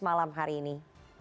malam hari ini